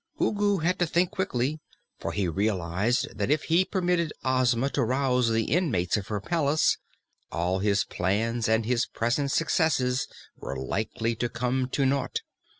Ugu had to think quickly, for he realized that if he permitted Ozma to rouse the inmates of her palace, all his plans and his present successes were likely to come to naught.